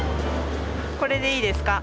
これでいいですか？